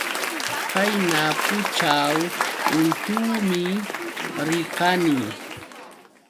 Qayna pućhaw ultuumi rirqani.